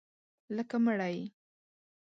لکه مړی